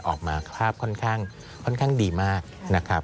ภาพค่อนข้างดีมากนะครับ